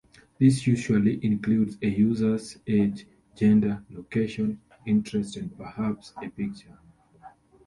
This usually includes a user's age, gender, location, interests, and perhaps a picture.